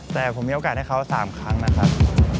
แต่ผมมีโอกาสให้เขา๓ครั้งนะครับ